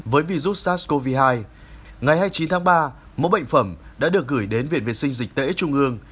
với virus sars cov hai ngày hai mươi chín tháng ba mẫu bệnh phẩm đã được gửi đến viện vệ sinh dịch tễ trung ương